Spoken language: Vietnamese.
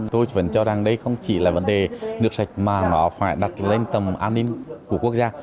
tôi vẫn cho rằng đây không chỉ là vấn đề nước sạch mà nó phải đặt lên tầm an ninh của quốc gia